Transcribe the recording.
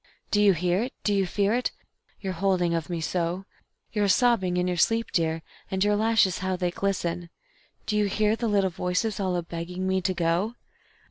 Do you hear it, do you fear it, you're a holding of me so? You're a sobbing in your sleep, dear, and your lashes, how they glisten Do you hear the Little Voices all a begging me to go?